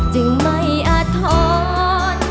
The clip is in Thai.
จึงไม่อาท้อน